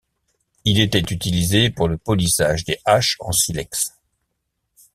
Il était utilisé pour le polissage des haches en silex.